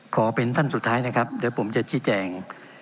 ขอเป็นท่านสุดท้ายนะครับเดี๋ยวผมจะชี้แจง